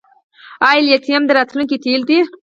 آیا لیتیم د راتلونکي تیل دي؟